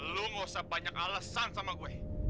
lo gak usah banyak alasan sama gue